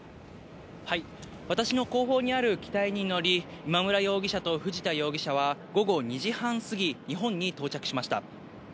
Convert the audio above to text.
私の後方にある機体に乗り、今村容疑者と藤田容疑者は午後２時半過ぎ、日本に到着しました。